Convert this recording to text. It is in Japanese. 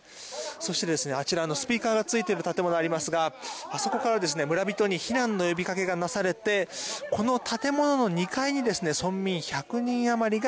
そしてあちらのスピーカーがついている建物がありますがあそこから村人に避難の呼びかけがなされてこの建物の２階に村民１００人余りが